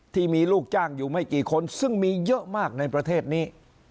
ที่มีลูกจ้างอยู่ไม่กี่คนซึ่งมีเยอะมากในประเทศนี้